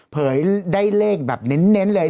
เผยได้เลขแบบเน้นเลย